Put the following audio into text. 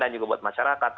dan juga buat masyarakat